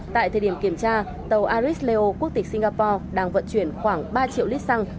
tại thời điểm kiểm tra tàu aris leo quốc tịch singapore đang vận chuyển khoảng ba triệu lít sang